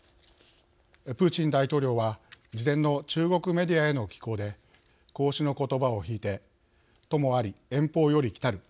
プーチン大統領は事前の中国メディアへの寄稿で孔子の言葉を引いて「朋有り遠方よりきたる。